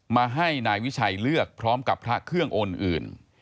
มาให้นายวิชัยเลือกพร้อมกับพระเครื่ององค์อื่น